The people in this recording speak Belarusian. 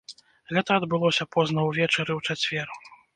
Гэта адбылося позна ўвечары ў чацвер.